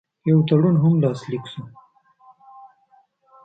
یو تړون هم لاسلیک شو.